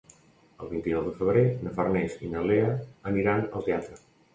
El vint-i-nou de febrer na Farners i na Lea aniran al teatre.